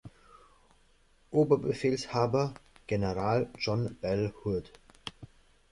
Oberbefehlshaber: General John Bell Hood.